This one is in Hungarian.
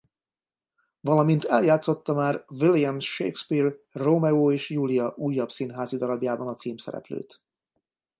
Valamint eljátszotta már William Shakespeare Rómeó és Júlia újabb színházi darabjában a címszereplőt.